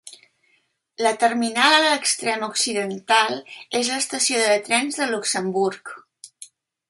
La terminal a l'extrem occidental és l'estació de trens de Luxemburg.